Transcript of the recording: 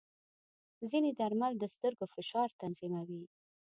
ځینې درمل د سترګو فشار تنظیموي.